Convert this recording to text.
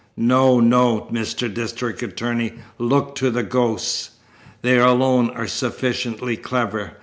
No, no, Mr. District Attorney, look to the ghosts. They alone are sufficiently clever.